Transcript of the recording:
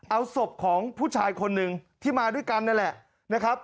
เอาศพของผู้ชายคนหนึ่งที่มาด้วยกันนั่นแหละนะครับ